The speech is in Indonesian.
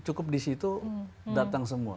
cukup di situ datang semua